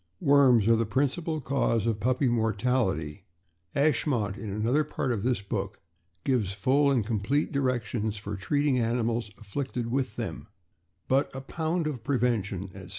Worms are the principal cause of puppy mortality; "Ashmont," in another part of this book, gives full and com plete directions for treating animals afflicted with them; but "a pound of prevention," etc.